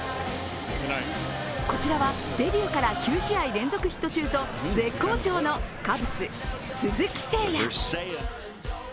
こちらはデビューから９試合連続ヒット中と絶好調のカブス・鈴木誠也。